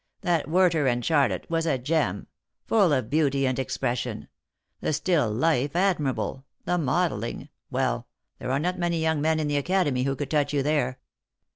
That ' Werter and Charlotte ' was a gem — full of beauty and expression — the still life admirable — the modelling — well, there are not many young men in the Academy who could touch you there."